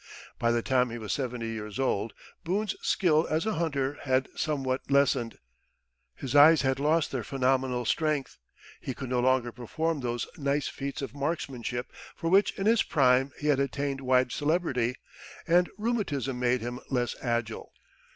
By the time he was seventy years old, Boone's skill as a hunter had somewhat lessened. His eyes had lost their phenomenal strength; he could no longer perform those nice feats of marksmanship for which in his prime he had attained wide celebrity, and rheumatism made him less agile.